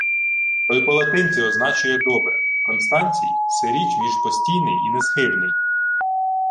— То й по-латині означує добре: Констанцій — сиріч між постійний і несхибний.